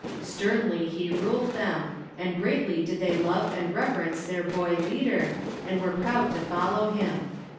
Sternly he ruled them, and greatly did they love and reverence their boy leader, and were proud to follow him.